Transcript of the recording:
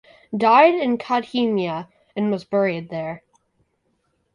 Died in Kadhimiya and was buried there.